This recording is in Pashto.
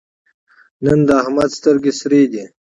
نن د احمد سترګې سرې دي.